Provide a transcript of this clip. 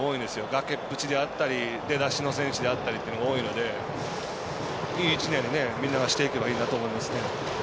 がけっぷちであったり出だしの選手であったりというのが多いのでいい１年にみんながしていけばいいなと思いますね。